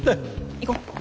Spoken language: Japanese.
行こう！